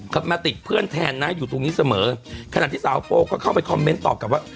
มาติดเพื่อนแทนนะอยู่ตรงนี้เสมอขณะที่สาวโปก็เข้าไปคอมเมนต์ตอบกลับว่า